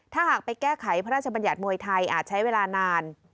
ถ้าหากไปแก้ไขพระราชบัญญัติมวยไทยอาจใช้เวลานาน